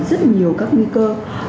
rất nhiều các nguy cơ